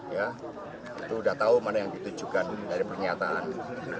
ya itu sudah tahu mana yang ditujukan dari pernyataan pak kaji maruf